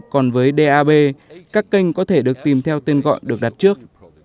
còn với dap các kênh có thể được tìm theo tên gọi được đặt trước